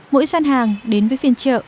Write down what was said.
mỗi sản hàng đến với phiên chợ